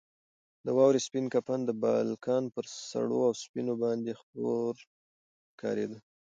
د واورې سپین کفن د بالکن پر سړو اوسپنو باندې خپور ښکارېده.